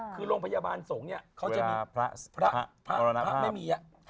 คือโรงพยาบาลสงศ์เวลาพระมรรณภาพ